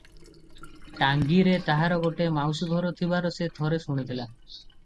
ଟାଙ୍ଗୀରେ ତାହାର ଗୋଟାଏ ମାଉସୀ ଘର ଥିବାର ସେ ଥରେ ଶୁଣିଥିଲା ।